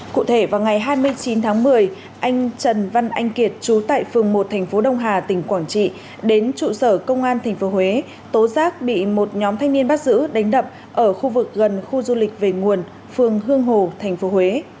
cụ thể vào ngày hai mươi chín tháng một mươi anh trần văn anh kiệt trú tại phường một tp đông hà tỉnh quảng trị đến trụ sở công an tp huế tố giác bị một nhóm thanh niên bắt giữ đánh đậm ở khu vực gần khu du lịch về nguồn phường hương hồ tp huế